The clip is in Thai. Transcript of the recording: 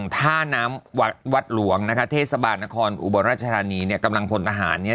ท่าน้ำวัดหลวงเทศบาลนครอุบันรัชงานีกำลังผลผนถ่าย